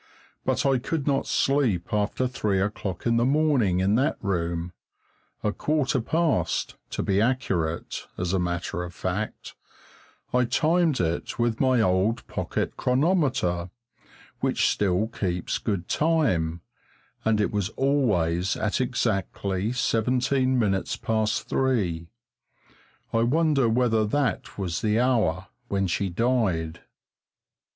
But I could not sleep after three o'clock in the morning in that room a quarter past, to be accurate as a matter of fact, I timed it with my old pocket chronometer, which still keeps good time, and it was always at exactly seventeen minutes past three. I wonder whether that was the hour when she died?